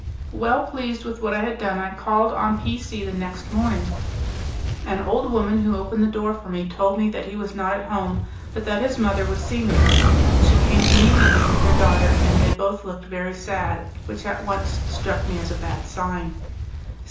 Well pleased with what I had done, I called on P C the next morning. An old woman, who opened the door for me, told me that he was not at home, but that his mother would see me. She came immediately with her daughter, and they both looked very sad, which at once struck me as a bad sign.